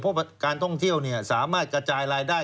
เพราะการท่องเที่ยวสามารถกระจายรายได้